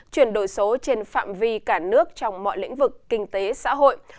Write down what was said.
chuyển đổi số trên phạm vi cả nước trong mọi lĩnh vực kinh tế xã hội